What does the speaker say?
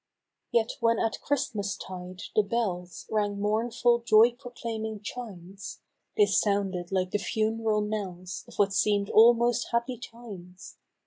Yet when at Christmas tide the bells Rang mournful joy proclaiming chimes. They sounded like the fun*ral knells Of what seem'd almost happy times.